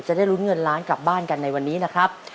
จะได้ลุ้นเงินล้านกลับบ้านกันในวันนี้นะครับ